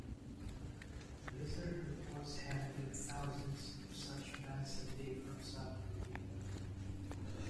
Blizzard reports handling thousands of such bans a day from South Korea.